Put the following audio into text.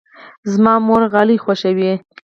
زما مور غالۍ خوښوي.